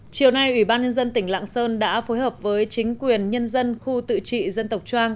chiều nay ủy ban nhân dân tỉnh lạng sơn đã phối hợp với chính quyền nhân dân khu tự trị dân tộc trang